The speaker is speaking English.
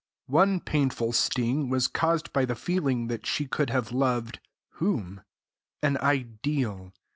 One painful sting was caused by the feeling that she could have loved whom? An ideal.